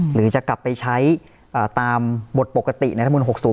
หรือจะกลับไปใช้ตามบทปกติในรัฐมนุน๖๐